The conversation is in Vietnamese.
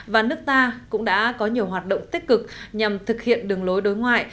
và nước ta cũng đã có nhiều hoạt động tích cực nhằm thực hiện đường lối đối ngoại